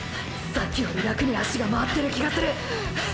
さっきより楽に足が回ってる気がする！！